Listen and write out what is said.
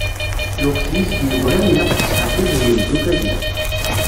Lweqt-nni i k-d-yegran, ilaq ad t-tsεeddiḍ d yimdukal-ik.